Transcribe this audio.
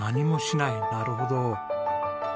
なるほど。